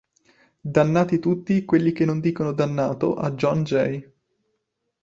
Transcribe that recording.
Dannati tutti quelli che non dicono dannato a John Jay!